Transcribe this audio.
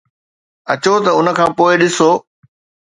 اچو ته ان کان پوء ڏسو